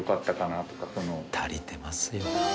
足りてますよ。